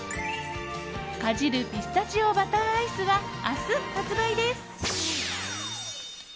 かじるピスタチオバターアイスは明日、発売です。